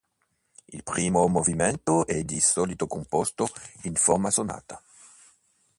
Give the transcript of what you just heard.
Il primo movimento è di solito composto in forma sonata.